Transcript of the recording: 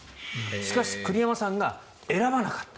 しかし栗山さんが選ばなかった。